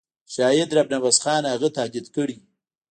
شاید رب نواز خان هغه تهدید کړی وي.